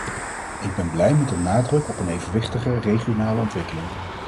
Ik ben blij met de nadruk op een evenwichtige regionale ontwikkeling.